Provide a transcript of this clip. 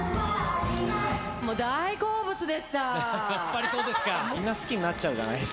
やっぱりそうですか。